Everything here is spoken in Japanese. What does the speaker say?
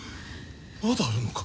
まだあるのか？